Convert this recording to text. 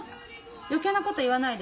余計なこと言わないでね